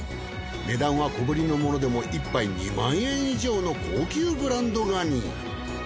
値段は小ぶりのものでも１杯２万円以上の高級ブランドガニ。